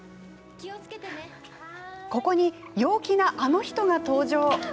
ここに、陽気なあの人が登場。